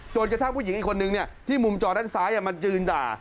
กระทั่งผู้หญิงอีกคนนึงที่มุมจอด้านซ้ายมายืนด่า